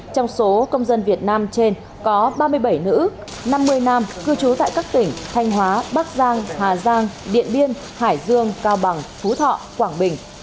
trong số công dân việt nam trên có ba mươi bảy nữ năm mươi nam cư trú tại các tỉnh thanh hóa bắc giang hà giang điện biên hải dương cao bằng phú thọ quảng bình